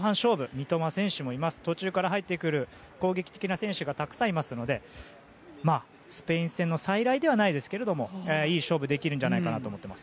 三笘選手もいますし途中から入ってくる、攻撃的な選手がたくさんいますのでスペイン戦の再来ではないですけどいい勝負ができるんじゃないかと思っています。